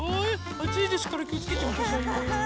あついですからきをつけてくださいね。